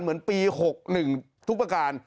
เหมือนปี๖๑ทุกประการ